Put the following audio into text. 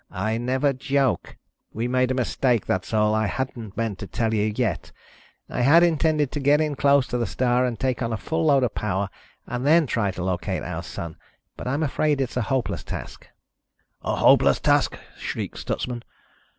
"I never joke. We made a mistake, that's all. I hadn't meant to tell you yet. I had intended to get in close to the star and take on a full load of power and then try to locate our Sun. But I'm afraid it's a hopeless task." "A hopeless task?" shrieked Stutsman.